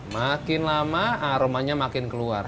makin lama aromanya makin keluar